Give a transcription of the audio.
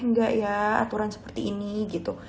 enggak ya aturan seperti ini gitu